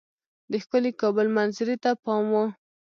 د ښکلي کابل منظرې ته پام وو.